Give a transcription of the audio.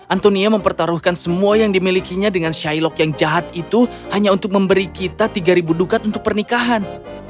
antonia mempertaruhkan semua yang dimilikinya dengan shilog yang jahat itu hanya untuk memberi kita tiga ribu dukat untuk pernikahan